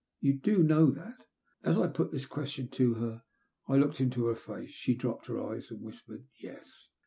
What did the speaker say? Do you know that?" As I put this question to her, I looked into her face. She dropped her eyes and whispered "Yes."